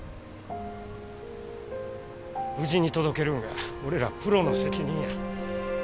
無事に届けるんが俺らプロの責任や。